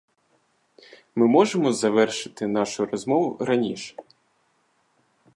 Ми можемо завершити нашу розмову раніше?